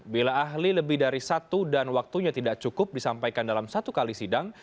bila ahli lebih dari satu dan waktunya tidak cukup disampaikan dalam satu kali sidang